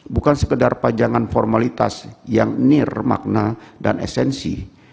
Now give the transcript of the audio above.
bukan sekedar pajangan formalitas yang nir makna dan esensi